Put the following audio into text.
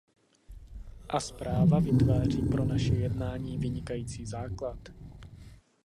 A zpráva vytváří pro naše jednání vynikající základ.